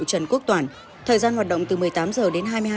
trần quốc toàn thời gian hoạt động từ một mươi tám h đến hai mươi hai h